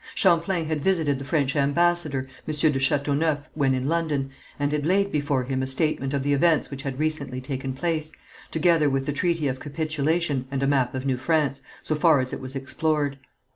Champlain had visited the French ambassador, M. de Chateauneuf, when in London, and had laid before him a statement of the events which had recently taken place, together with the treaty of capitulation and a map of New France, so far as it was explored.